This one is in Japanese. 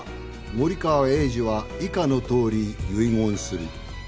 森川栄治は以下のとおり遺言する」